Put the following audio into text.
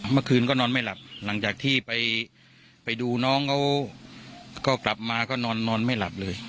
เมื่อคืนก็นอนไม่หลับหลังจากที่ไปดูน้องเขาก็กลับมาก็นอนไม่หลับเลย